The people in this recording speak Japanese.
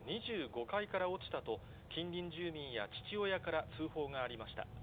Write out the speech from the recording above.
２５階から落ちたと、近隣住民や父親から通報がありました。